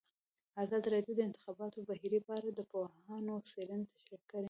ازادي راډیو د د انتخاباتو بهیر په اړه د پوهانو څېړنې تشریح کړې.